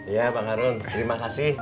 iya pak garun terima kasih